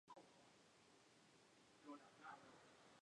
Hijo de Florencio Zavala.